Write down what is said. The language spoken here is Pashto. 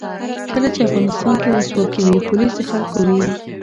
کله چې افغانستان کې ولسواکي وي پولیس د خلکو وي.